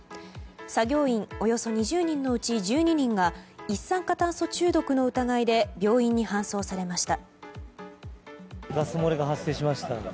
作業員およそ２０人のうち１２人が一酸化炭素中毒の疑いで病院に搬送されました。